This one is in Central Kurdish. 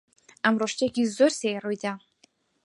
ئەمڕۆ شتێکی زۆر سەیر ڕووی دا.